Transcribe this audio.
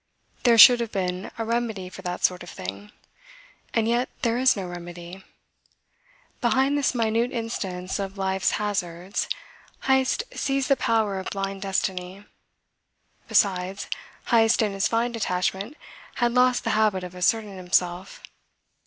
There should have been a remedy for that sort of thing. And yet there is no remedy. Behind this minute instance of life's hazards Heyst sees the power of blind destiny. Besides, Heyst in his fine detachment had lost the habit of asserting himself.